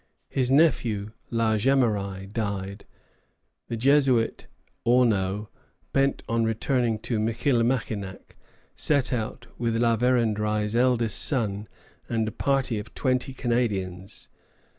His nephew, La Jemeraye, died. The Jesuit Auneau, bent on returning to Michillimackinac, set out with La Vérendrye's eldest son and a party of twenty Canadians.